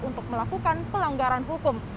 untuk melakukan pelanggaran hukum